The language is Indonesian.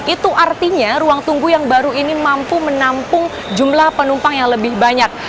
itu artinya ruang tunggu yang baru ini mampu menampung jumlah penumpang yang lebih banyak